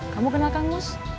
kamu kenal kang nus